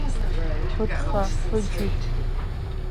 Быҭха ыӡит!